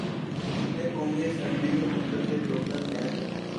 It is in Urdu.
جتنے قومی اسمبلی کے منتخب رکن ہیں۔